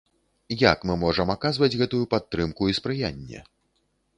Як мы можам аказваць гэтую падтрымку і спрыянне?